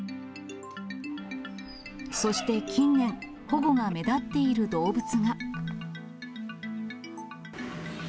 そして近年、保護が目立っている動物が。